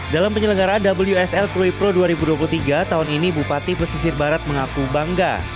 dalam penyelenggara wsl krui pro dua ribu dua puluh tiga tahun ini bupati pesisir barat mengaku bangga